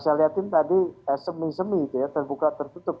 saya lihatin tadi semi semi ya terbuka atau tertutup